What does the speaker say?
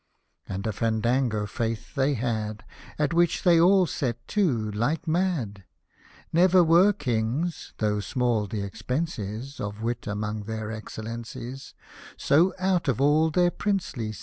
And a Fandango, 'faith, they had. At which they all set to, like mad ! Never were Kings (though small th' expense is Of wit among their Excellencies) So out of all their princely senses.